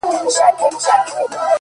رڼا ترې باسم له څراغه ـ